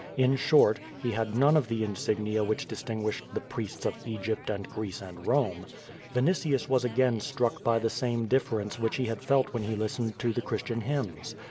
In short, he had none of the insignia which distinguished the priests of Egypt and Greece and Rome. Vinitius was again struck by the same difference which he had felt when he listened to the Christian hymns.